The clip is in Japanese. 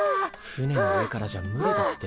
船の上からじゃ無理だって。